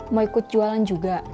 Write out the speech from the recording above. mau ikut jualan juga